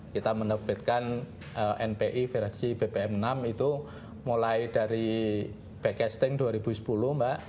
kita menerbitkan npi versi bpm enam itu mulai dari back casting dua ribu sepuluh mbak